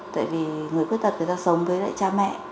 tại vì người khuyết tật người ta sống với lại cha mẹ